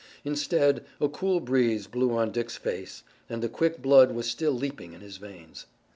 Instead, a cool breeze blew on Dick's face, and the quick blood was still leaping in his veins.